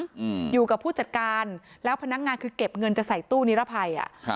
อืมอยู่กับผู้จัดการแล้วพนักงานคือเก็บเงินจะใส่ตู้นิรภัยอ่ะครับ